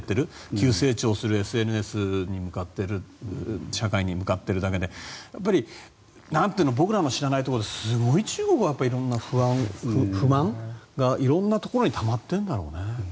急成長するＳＮＳに向かっている社会に向かっているだけでやはり僕らの知らないところですごい中国は色んな不満が色んなところにたまってんだろうね。